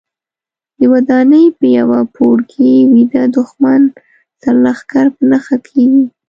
د ودانۍ په یوه پوړ کې ویده دوښمن سرلښکر په نښه کېږي.